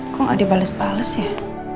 kok nggak dibales bales ya